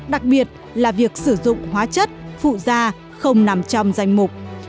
đặc biệt là việc sử dụng hóa chất phụ da không nằm trong danh mục